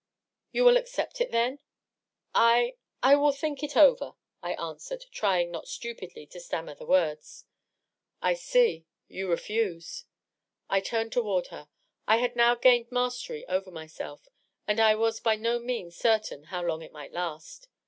" x ou will accept it, then?" " I — ^I will think it over," I answered, trying not stupidly to stam mer the words. " I see — ^you refuse." I turned toward her. I had now gained mastery over myself, but I was by no means certain how long it might last.